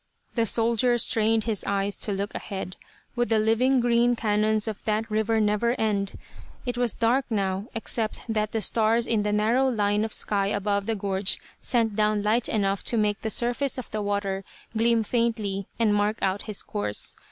The soldier strained his eyes to look ahead. Would the living green canons of that river never end? It was dark now, except that the stars in the narrow line of sky above the gorge sent down light enough to make the surface of the water gleam faintly and mark out his course.